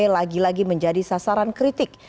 lagi lagi menjadi sasaran kritik